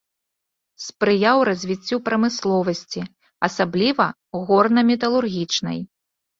Спрыяў развіццю прамысловасці, асабліва горна-металургічнай.